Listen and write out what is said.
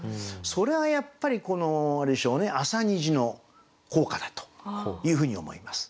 それはやっぱりこのあれでしょうね「朝虹」の効果だというふうに思います。